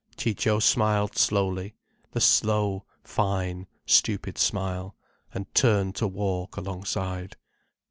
Ciccio smiled slowly, the slow, fine, stupid smile, and turned to walk alongside.